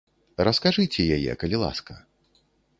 Раскажыце яе, калі ласка.